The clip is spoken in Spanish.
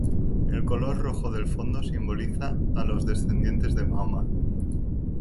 El color rojo del fondo simboliza a los descendientes de Mahoma.